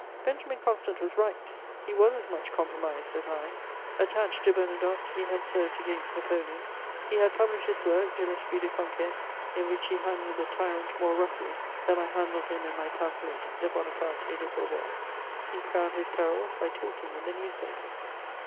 Benjamin Constant was right, he was as much compromised as I: attached to Bernadotte, he had served against Napoleon; he had published his work De l'esprit de conquête, in which he handled the "tyrant" more roughly than I handled him in my pamphlet De Bonaparte et des Bourbons. He crowned his perils by talking in the newspapers.